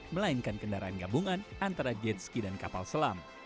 melainkan kendaraan gabungan antara jet ski dan kapal selam